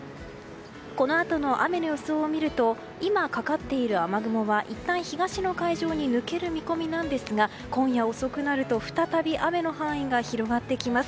このあとの雨の予想を見ると今かかっている雨雲はいったん東の海上に抜ける見込みなんですが今夜遅くなると再び雨の範囲が広がってきます。